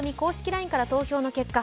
ＬＩＮＥから投票の結果